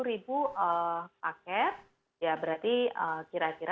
jadi kalau sepuluh paket ya berarti kira kira empat puluh jiwa sumbernya